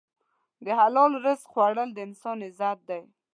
د حلال رزق خوړل د انسان عزت دی.